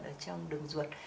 ở trong đường ruột